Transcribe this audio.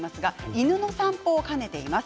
犬の散歩をかねています。